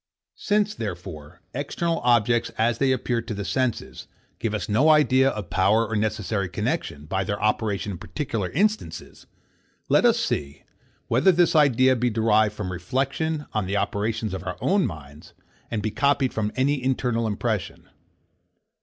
Since, therefore, external objects as they appear to the senses, give us no idea of power or necessary connexion, by their operation in particular instances, let us see, whether this idea be derived from reflection on the operations of our own minds, and be copied from any internal impression.